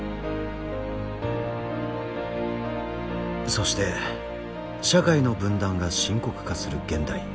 そして社会の分断が深刻化する現代。